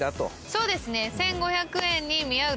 そうですね。